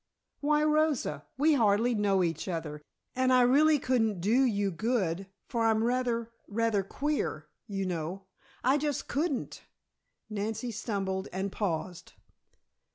Why, Rosa, we hardly know each other, and I really couldn't do you good, for I'm rather rather queer, you know. I just couldn't " Nancy stumbled and paused.